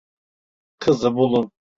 Kızı bulun.